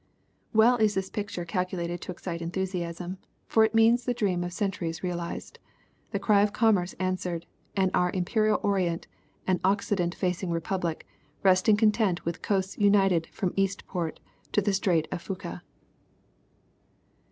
Well is this picture calculated to excite enthusiam, for it means the dream of centuries realized, the cry of commerce answered, and our imperial Orient and Occident facing Republic resting content with coasts united from Eastport to the Strait of Fuca